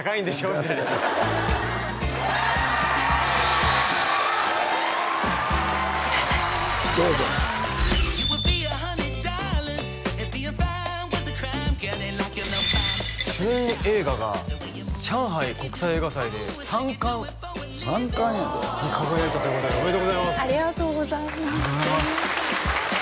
みたいな主演映画が上海国際映画祭で３冠に輝いたということでおめでとうございますありがとうございますすみません